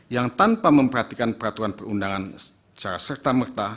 yang tanpa memperhatikan peraturan perundangan secara serta merta